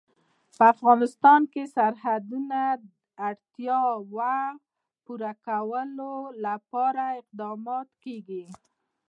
په افغانستان کې د سرحدونه د اړتیاوو پوره کولو لپاره اقدامات کېږي.